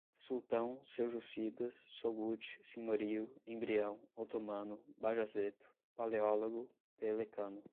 Sultão, seljúcidas, Sogut, senhorio, embrião, otomano, Bajazeto, Paleólogo, Pelecano